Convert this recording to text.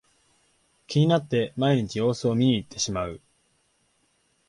気になって毎日様子を見にいってしまう